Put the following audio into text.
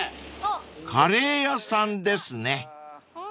［カレー屋さんですね］